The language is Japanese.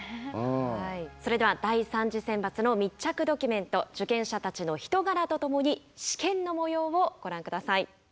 それでは第３次選抜の密着ドキュメント受験者たちの人柄と共に試験のもようをご覧下さい。